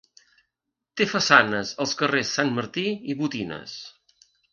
Té façanes als carrers Sant Martí i Botines.